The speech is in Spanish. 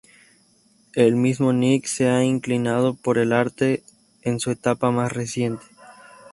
El mismo Nick se ha inclinado por el arte en su etapa más reciente.